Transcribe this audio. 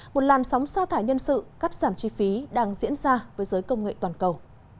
một làn sóng xa thải nhân sự cắt giảm chi phí đang diễn ra với giới công nghệ toàn cầu